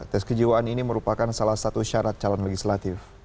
tes kejiwaan ini merupakan salah satu syarat calon legislatif